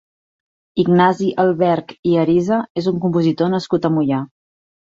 Ignasi Alberch i Arisa és un compositor nascut a Moià.